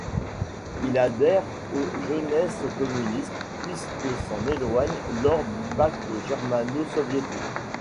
Il adhère aux Jeunesses communistes puis s'en éloigne lors du pacte germano-soviétique.